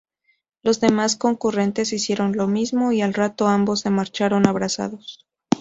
Los demás concurrentes hicieron lo mismo y al rato ambos se marcharon abrazados.